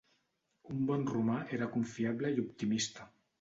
Un bon romà era confiable i optimista.